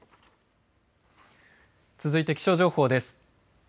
続いて気象情報です。